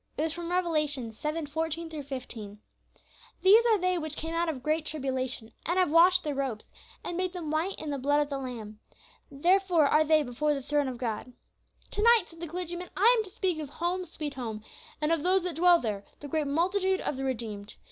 It was from Revelation 7:14, 15: "These are they which came out of great tribulation, and have washed their robes, and made them white in the blood of the Lamb. Therefore are they before the throne of God." "To night," said the clergyman, "I am to speak of 'Home, sweet Home,' and of those that dwell there, the great multitude of the redeemed.